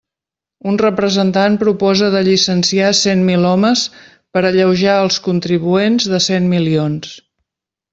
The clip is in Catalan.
Un representant proposa de llicenciar cent mil homes per alleujar els contribuents de cent milions.